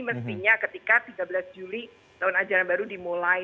mestinya ketika tiga belas juli tahun ajaran baru dimulai